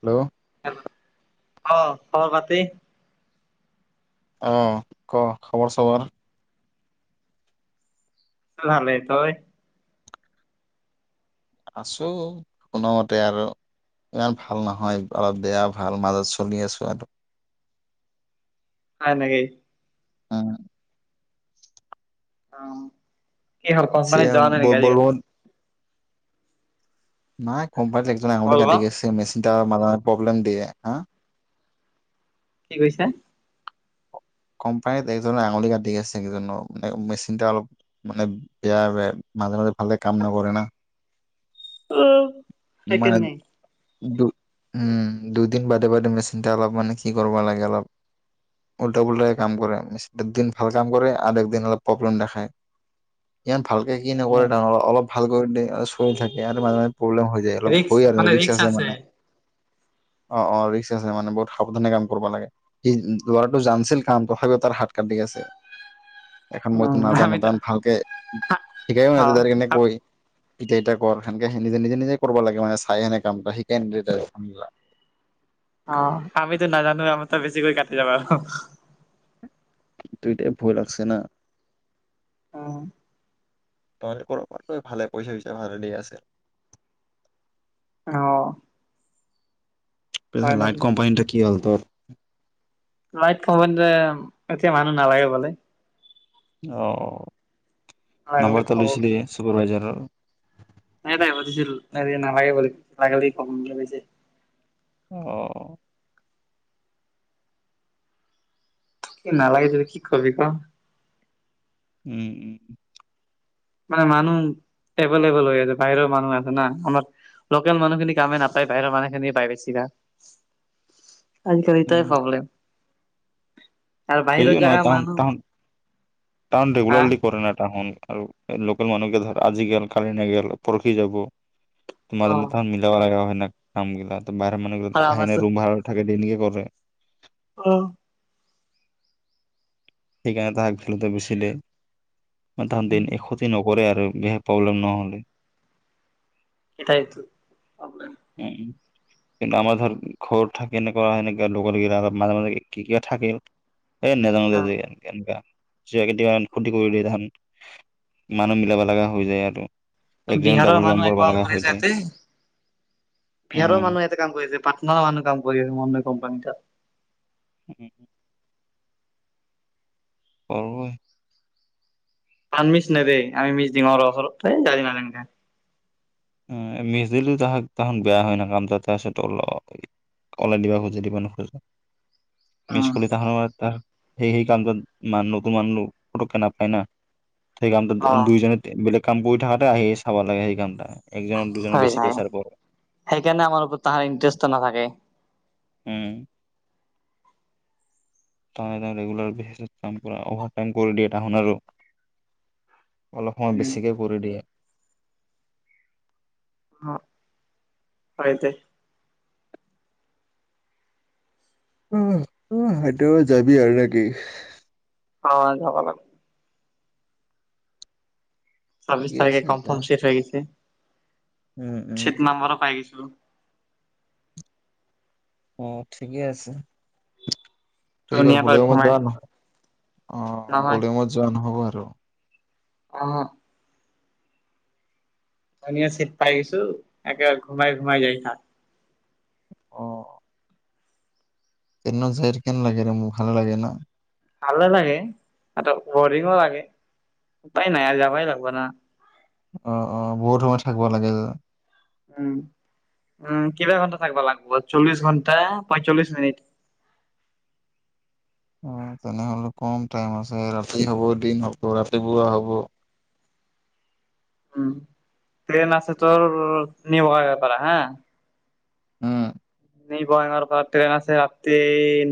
Hello hello আহ খবৰ পাতি অ ক খবৰ চবৰ ভালেই, তই আছো কোনো মতে আৰু ইমান ভাল নহয় অলপ বেয়া ভাল মাজত চলি আছো আৰু। হয় নেকি উম অ কি হব চে পাৰে যোৱা নাই নেকি আজিকালি। বলবত মাইক [unintelligible] কম্পাৰ আঙুলি কাটি বলবম গিছে [unintelligible] কেতিয়াবা মান প্ৰব্লেম দিয়ে হা কি কৈছা কোম্পানীত এজনৰ আঙুলি কাটি আছে কেইজনৰ মানে মেচিনটা অলপ মানে বেয়া মাজে মাজে। ভালে কামন নকৰে না অ মানে সেইকাৰনে দু উম দুদিন বাৰেবাৰে মেচিনটা অলপ মানে কি কৰিব লাগে অলপ কাম কৰে এক দিন ভাল কাম কৰে আৰু এক দিন অলপ প্ৰব্লেম দেখায় ইয়াত ভালকে কি নকৰে ডৰ অলপ ভালকৈ চলি থাকে আৰু মাজে প্ৰব্লেম হৈ যায় অলপ হয় আৰু ৰিক্স আছে মানে অ অ ৰিক্স আছে মানে বহুত সাৱধানে কাম কৰিব লাগে সি জানছিল কাম তথাপিও তাৰ হাত কাটি গিছে। এখন মইতো উম নাজানো আমিতো তাৰমান ভালকে শিকাইও নাই অ তাৰ কেনেকৈ ইতা ইতা কৰ সেনেকে স নিজে নিজে নিজে কৰিব লাগে মানে চাই সেনে কামটা শিকাই নিদে কাইও আহ আমিতো নাজানো আমাৰ তো বেছিকৈ কাটি যাবা আৰু উইটাই ভয় লাগছে ন অ ত কৰ ভালে কৰিছা পইচা পচা ভালে দি আছে অহ লাইট কোম্পানীটো কি হল, অ লাইট এতিয়া মানুহ নালাগে বোলে অহঁ লাগিলে নম্বৰটা কব লৈছিলে চুপাৰভাইজাৰৰ নাই নাই বুজিছিল নালাগে লাগিলি কম অঁ কি নালাগে যদি কি কবি ক উম উম মানে মানুহ এভলেবল হৈ আছে বাহিৰৰ মানুহ আছে না লোকেল মানুহখিনি কাম নাপায় বাহিৰৰ মানুহ খিনি পায় বেছিকে আজিকালি এটাই প্ৰব্লেম আৰু বাহিৰৰ সেইয়ে জেগা নহয় তাহন মানুহ তাহৱ তাহন হা ৰেগুলাৰলি কৰে না তাহন আৰু লোকেল মানুহকে ধৰ আজি গেল কালি নেগেল পৰহি যাব অ তোমাৰ মত মিলাবা লাগা হয় না কাম গিলা বাহিৰৰ আৰু মানুহবিলাক আহি আমাৰতো ৰুম ভাড়া কৰি থাকে ডেইলিকে কৰে । অ সেইকাৰণে তাহাক খেলোতে বেছি দে । ম ধাম দিন এশ ন । কৰে আৰু বেয়া প্ৰব্লেম নহ'লে । এটা এইটো আপোনাৰ । উম, কিন্তু আমাৰ ধৰ ঘৰ থাকে এনেকুৱা সেনেকা লগোৱা লগি মাজে মাজে কি কি বি থাকিল এ নেজাও অ [unintelligible] এনেকুৱা চৰা কেতিয়াবা ক্ষতি কৰি দিয়ে ধান মানুহ মিলাবা লগা হৈ যায় আৰু। একজনে বিহাৰৰ ডাবুল মানুহ কৰিব একো কাম লগা হৈ কৰিছে যায় ইয়াতে বিহাৰৰ উম, মানুহ ইয়াতে কাম কৰিছে পাটনাৰৰ মানুহ কাম কৰি আছে মো কোম্পানী তাত । উম । পাবৈ । পামিছ নে দেই আমি মিছ দিম ওচৰত য়ে [unintelligible] মিজ দিলটো তাহাক তাহোন বেয়া হয় ন কামটো তাৰ পাছতো ওলাই দিবা খোজি দিবা নোখোজে । মিছ উম কলিতা তাৰ । সেয়েহেই কামটোত মানুহ নতুন মানুহ পটোকে নেপায় না । সেই কামটোত অ দুইজনে বেলেগ । কাম কৰি থাকাতে আহি চাব লাগে সেই কামটা । হৈ যায় সেইকাৰণে আমাৰ ওপৰত তাহাটৰ ইন্টাৰেষ্টটো নাথাকে । উম । তই তাৰ ৰেগুলাৰ বেচিছত কাম কৰা অভাৰটাইম কৰি দিয়ে তাহোনাৰো । অলপ সময় উম বেছিকে কৰি দিয়ে । অ আতে । আহ আহ সেইটো যাবি আৰু নে কি । আ ঢকা লাগ ছাব্বিশ ঠিকে তাৰিখে আছে দা কনফাৰ্ম শেট হৈ গৈছে । উম উম চিত নাম্বৰ ও পাই গৈছে । তুলো। অ ঠিকেই আছে । এইবাৰ ধুনীয়াকৈ বোলে মই ঘুমাই যা নহ'লে । অ নহয় গ'লে মজা ন। হব আৰু অ । ধুনিয়া চিত পাই গৈছো একেবাৰে ঘুমাই ঘুমাই যায় থাক । অ । কেনিনো যায় থাকে হেন লাগে আৰু মোৰ ভাল লাগে না । ভালে লাগে বৰিঙো লাগে উপায় নাই আৰু যাবই লাগব না । অ অ বহুত সময় থাকিব লাগে যে উম উম কিবা ঘণ্টা থাকিব লাগব। চল্লিশ ঘণ্টা পয়ঞ্চল্লিশ মিনিট। অ তেনেহলে কম টাইম আছে ৰাতি হব দিন হব ৰাতিপুৱা হ'ব। উম ট্ৰেইন আছে তৰ নিব বেপাৰা হা হম নিবঙাই গাৱৰ পৰা ট্ৰেইন আছে ৰাতি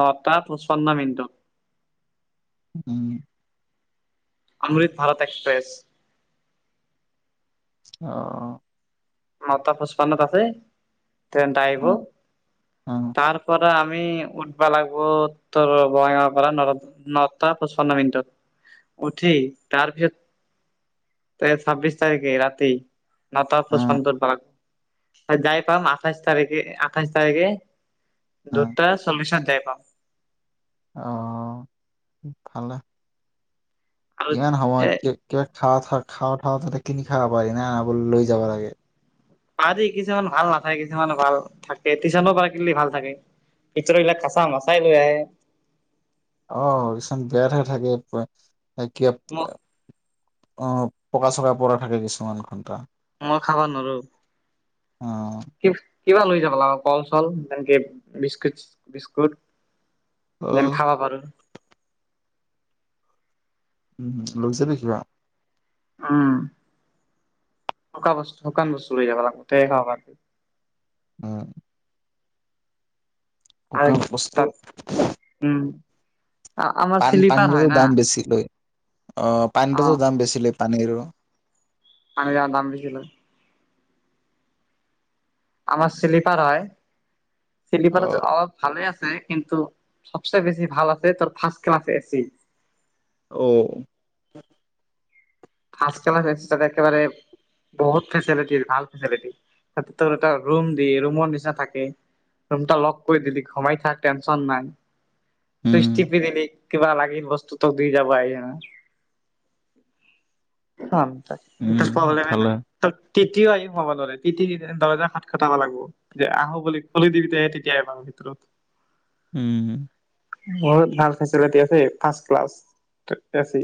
নটাত পঁচপন্ন মিনিটত। উম অমৃত ভাৰত এক্সপ্ৰেছ অ। ন টা পুষ্পন্নত আছে। তেন্ত আহিব অ অ তাৰ পৰা আম আমি উঠবা লাগিব ত বগাঁৱৰ পৰা ন নটা পচপন্ন মিনিটত, উঠি তাৰপিছত তে ছাব্বিশ তাৰিখে ৰাতি নটা অ পচপন্ন উঠব লাগিব যাই পাম আঠাইশ তাৰিখে আঠাইশ তাৰিখে। অ দুটা চবিচত যাই পাম। ভালা আৰু ইমান সময় এ কি কিয় খা থাক খাওঁ। ক তাতে কিনি খাব পাৰি না খাব লৈ যাব লাগে। পাৰি, কিছুমান ভাল নাথাকে কিছুমান ভাল থাকে। টিউশচনো পা কিনিলে ভাল থাকে। ভিতৰবিলাক কাচা মিচাই লৈ আহে। আহ কিছুমান বেয়াতহে থাকে পুৰা। হয় কিয়ত ম পৰে অ অ পকা চকা পৰা থাকে কিছুমান ঘণ্টা। মই খাবা নৰো। অ কিছ কিবা লৈ যাব লাগিব কল চল যেনেকে বিস্কুট বিস্কুট অ যেম খাবা পাৰো। উ লৈছে দে কিবা। উম। শুকা বস্তু শুকান বস্তু লৈ যাব লাগিব তে খাবা পাৰবি। উম। আৰু গুকান বস্তু তাত উম আমাৰ পান শ্লিপাৰ হয় পানীৰো না দাম বেছি লয়। অ অ পানবজাৰত দাম বেছি লই। পানীৰো। [unintelligible] দাম বেছিলয়। আমাৰ শ্লিপাৰ হয়। অ শিল্পআৰত অলপ ভালে আছে। কিন্তু সবচে বেছি ভাল আছে তোৰ ফাৰ্ষ ক্লাছ এছি। ও। ফাষ্ট ক্লাছ এছি ঠাকাত একেবাৰে বহুত ফেচিলিটীৰ ভাল ফেচিলিটী তাৰ ভিতৰত এটা ৰোম দিয়ে ৰোম ৰ নিচা থাকে ৰোমতা লক কৰি দিলি ঘমাই থাক টেনচন নাই। চুইচ উম টিপি দিলি কিবা লাগিল বস্তুটো দি যাব আহি কিনে। [unintelligible] তাত উম ইটোত প্ৰব্লেমে ভালে নাই তিতিও আহি সোমাব নোৱাৰে তিতি দিজে দৰ্জা খট খটাব লাগিব যে আহো বুলি খুলি দিবে তেতিয়াই সোমাব ভিতৰত। উম। বহুত ভাল ফেচিলিটি আছে ফাৰ্ষ্ট ক্লাছ তাতে এছি।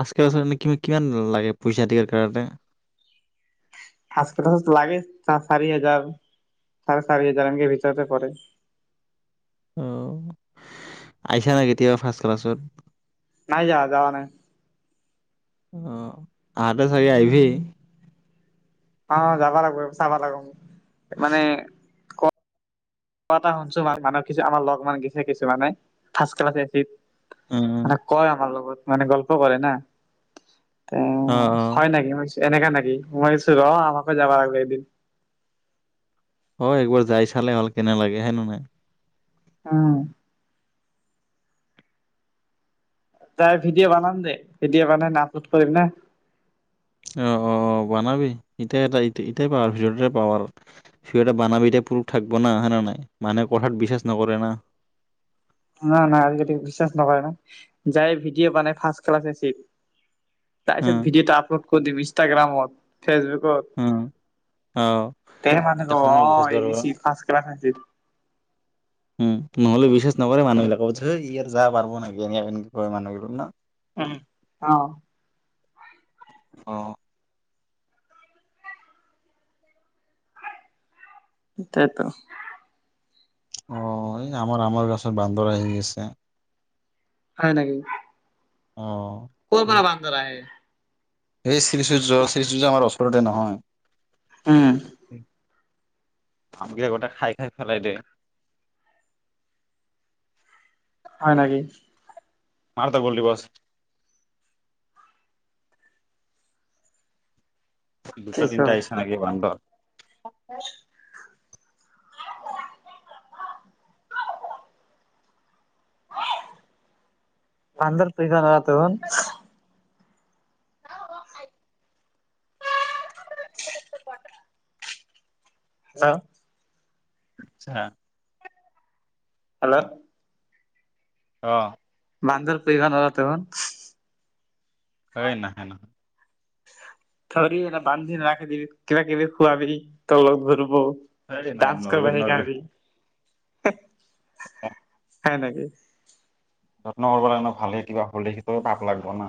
আজকে [unintelligible] কি কিমান লাগে পইচা দিয়াৰ কাৰনে । ফাৰ্ষ্ট ক্লাছত লাগে চাৰি হাজাৰ চাৰে চাৰি হাজাৰ এনেকে ভিতৰতে পৰে। অ' আহিছা না কেতিয়াবা ফাৰ্ষ্ট ক্লাছত। নাই যাৱা যাৱা নাই । অ আহাতে চাগে আইভি। অ' যাবা লাগাব চাবা লাগোম মানে ক । মই এটা শুনছো ম মানুহ কিছু আমাৰ লগ মাখান গেইছে কিছু মানে ফাৰ্ষ্ট ক্লাচে এত্ত। উম মানে কয় আমাৰ লগত। মানে গল্প পৰহেনা । অ উম অ হয় নেকি হৈছে এনেকা নেকি মইছো ৰ আমাকো যাব লাগিব এদিন। অ' একবাৰ যাই চালে হল কেনে লাগে হয় নে নায়। অ। তাই ভিডিঅ' বনাম দে ভিডিঅ' বনাই ন আপলোড কৰিম না। অ' অ' বনাবি ইতাই এ ইটাই ইটি এতিয়া পাৱ আৰু ভিতৰ পাৱৰ আৰু ভিডিঅ বনাবি এতিাই পুৰুফ থাকিব না হেনা নাই মানুহে কথাত বিশ্বাস নকৰে না। নাই নাই আজিকালি বিশ্বাস নকৰে নাই যায় ভিডিঅ' বনাই ফাৰ্ষ ক্লাছে এচিট। অ তাৰপিছত ভিডিঅ'টো আপলোড কত দিবি ইষ্টাগ্ৰামত। ফেচবুকত অ অ তে মানুহে দেখা কব নাই বিশ্বাস অ' ই কৰিব গেইছি ফাৰ্ষ্ট ক্লাছ এচিত। উম উম নহ'লে বিশ্বাস নকৰে মানুহবিলাকক থেই ইয় যাব পাৰব নেকি? এনে এনকে কয় মানুহবিলাকে ন। উম অ'। অ'। সেইটাই টো। অ' এই আমাৰ আমৰ গাছত বান্দৰ আহি গেইচে। হয় নেকি? [unintelligible] কৰ পৰা বান্দৰ আহে? সেই শ্ৰীসূৰ্য শ্ৰীসূৰ্য আমাৰ ওচৰতে নহয়। উম। আম গিটা গতে খাই খাই ফেলাই দে। হয় নেকি? [unintelligible] দুটা কি ক তিনটা আহিচে নেকি বান্দৰ? [unintelligible] ভদাৰ পই গ [unintelligible] তৰ [inaudible] আহ [unintelligible] হল [unintelligible] আচছা [inaudible] হেল্লো' [inaudible] অ। বান্দৰ [unintelligible] হয় নাহে নহয় [inaudible] থৰি নে বান্ধি ন ৰাখি দিবি কিবা কিবি খোৱাবি তলত ভৰিব এই নাই ডান্স নৰবি কৰিবা সেইকাৰণি হ [unintelligible] অ [inaudible] হয় নেকি? যত্ন কৰিব লাগে ভালে কিবা হ'লে সটো পাপ লাগব না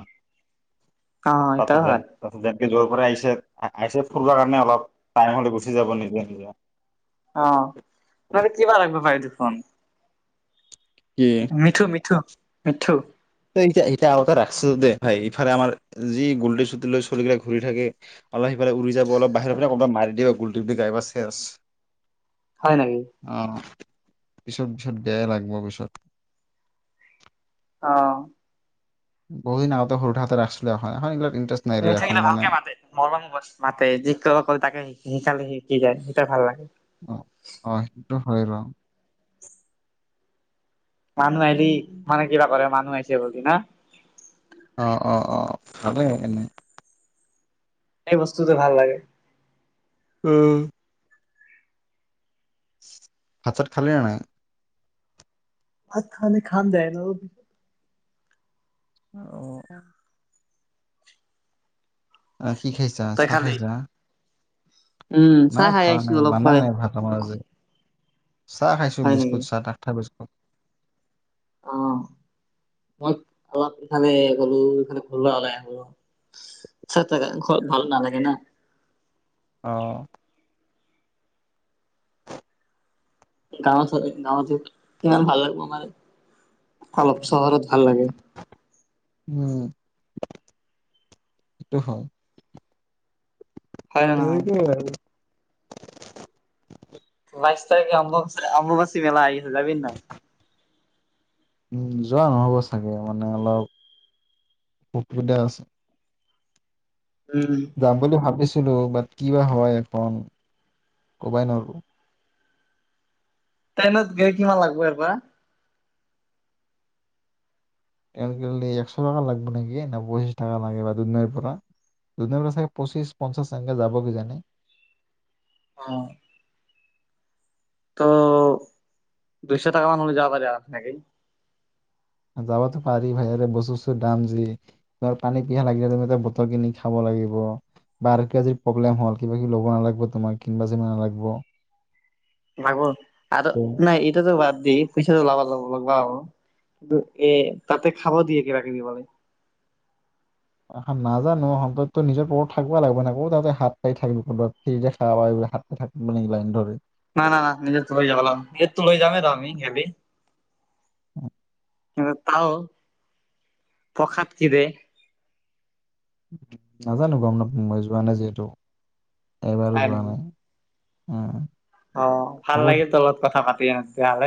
অ । এইটো তাত হয় দন তাত দন [unintelligible] যৰ পৰা আহিছে আহিছে ফুৰিব কাৰণে অলপ টাইম হ'লে গুচি যাব নিজে-। উ [unintelligible] অহ মানে কিবা লাগিব পায় দেখোন। কি? মিঠু মিঠু মিঠু এতিয়া এতিয়া আৰু এটা ৰাখিছো দে ভাই ইফালে আমাৰ যি গোলটি চুটি লৈ চলিগিলাক ঘূৰি থাকে অলপ সিফাল উৰি যাব অলপ বাহিৰৰ পৰা কবাত মাৰি দিব গো্টি গি গাই বা চেচ। হয় নেকি [inaudible] অহ পিছত ভিছত বেয়াই লাগিব পিছত অহ বহু দিন আগতে সৰু হাতে ৰাখছিলো এখন ইণ্টাৰেষ্ট নাই ৰে এখন নাথাকিলে মানে ভালকে মাতে মৰম বছ মাতে যি ক ক তাকে শ শিকালে শিকি যায় ভাল লাগে অ অহ সেইটো হৈ ৰ মানুহ আহিলি মানে কিবা কৰে মানুহ আহিছে বুলি ন অ অ অ ভালে এনেই । এই বস্তুটো ভাল লাগে । উম । ভাত চাত খালি নে নাই? ভাত খানে খাম দে ন অ আছা কি খাইছা তই চাহ খালি খাইছা? উম চাহ নাই খাই খোৱা আহিছো নাই অলপ বনাই হয় নাই ভাত আমাৰ আজি। চাহ খাইছো হয় নেকি বিস্কুত [unintelligible] অ মই অলপ এইফালে গলো এইফালে ঘৰ লৰা ওলাই ঘৰত ভাল নালাগে না আহ গাঁৱ গাঁৱত ইমান ভাল নালাগে মানে অলপ চহৰত ভাল লাগে উম সেইটো হয়। হয় নে নহয়? এতি [unintelligible] বাইছ তাৰিখে আম্ববাচী অম্বুবাচী মেলা আহিছে যাবি নাই? উম যোৱা নহ'ব চাগে মানে অলপ অসুবিধা আছে। উম যাম বুলি ভাবিছিলো মান কিবা হয় এখন কবাই নৰো ট্ৰেইনত গৈ কিমান লাগব ইয়াৰ পৰা? ট্ৰেইনত দি একশ টকা লাগিব নেকি ন পঁচিছ টকা লাগে বা দুদনাইৰ পৰা দুদৈৰ পৰা চাগে পঁচিশ পঞ্চাশ এনেকে যাব কি জানে। অঁ তো দুইশ টকা মানলৈ যাব পাৰে আপ নাকি, যাবতো পাৰি ভাইৰে বস্তু ছচটু দাম যি তাৰ পানী পিহা লাগিলে তুমি এ বতল কিনি খাব লাগিব, বা কিবা প্ৰব্লেম হল কিবা কিবি ল'ব লাগিব, তোমাৰ কিনিবা চিনিব লাগিব আৰু নাই এইটোতো বাদ দিয় পইচাটো লগ লগা [unintelligible] এ তাতে খাবা দিয়ে কিবা কিবি, গলে নাজানো অন্ততো নিজৰ পৰত থাকুৱা লাগিব নকৌ তাতে হাত পাই থাকিব ক'বা ফিৰি দেখা প হাত প থাকিব নেকিব ধৰি ন ন না নিজে ত লৈ যাব ল নিজ ত লৈ যামেই তমি [unintelligible] গি উ [unintelligible] [unintelligible] নাজানো গম ন মই যোৱা নাই যিহেতু,, এবাৰো খাই যোৱা নেকি নাই। উম অ ভাল হ'ব লাগে তলত কথা পা হাল